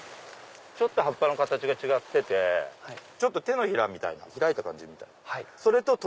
ちょっと葉っぱの形が違ってて手のひらみたいに開いた感じになってる。